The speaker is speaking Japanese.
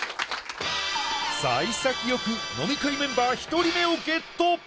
さい先よく飲み会メンバー１人目をゲット